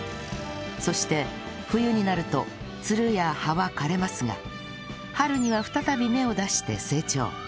そして冬になるとツルや葉は枯れますが春には再び芽を出して成長